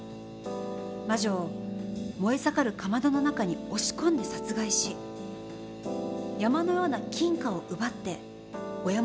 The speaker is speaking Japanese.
魔女を燃え盛るかまどの中に押し込んで殺害し山のような金貨を奪って親元に帰りました。